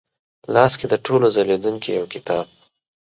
لاس کې د ټولو ځلېدونکې یوکتاب،